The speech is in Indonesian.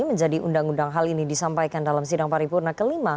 menjadi undang undang hal ini disampaikan dalam sidang paripurna ke lima